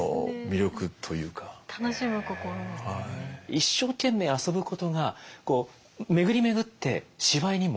一生懸命遊ぶことが巡り巡って芝居にも。